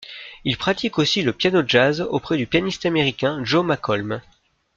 Il pratique aussi le piano jazz auprès du pianiste américain Joe Makholm.